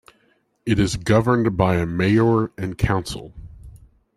It is governed by a mayor and council.